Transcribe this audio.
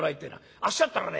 「あっしだったらね